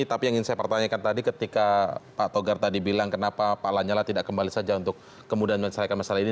tapi yang ingin saya pertanyakan tadi ketika pak togar tadi bilang kenapa pak lanyala tidak kembali saja untuk kemudian menyelesaikan masalah ini